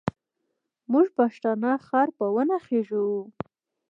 موږ پښتانه خر په ونه خېزوو.